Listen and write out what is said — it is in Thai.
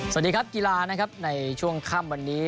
สวัสดีครับกีฬานะครับในช่วงค่ำวันนี้